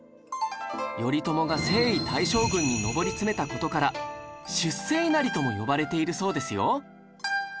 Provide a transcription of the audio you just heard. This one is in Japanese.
頼朝が征夷大将軍に上り詰めた事から「出世稲荷」とも呼ばれているそうですよ